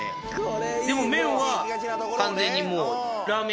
でも麺は完全にもう。